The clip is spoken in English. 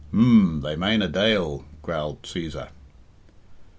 "Hm! They mane a dale," growled Cæsar.